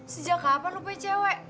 sejak kapan rupanya cewe